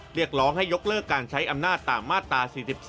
เรียกร้องให้ยกเลิกการใช้อำนาจตามมาตรา๔๔